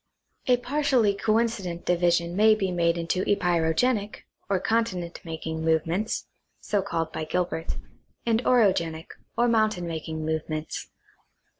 A partially coincident division may be made into epeirogenic, or continent making movements (so called by Gilbert), and orogenic, or mountain making movements.